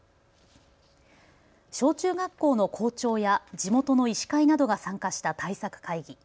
小中学校の校長や地元の医師会などが参加した対策会議。